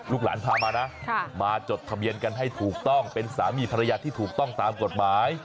หลานพามานะมาจดทะเบียนกันให้ถูกต้องเป็นสามีภรรยาที่ถูกต้องตามกฎหมาย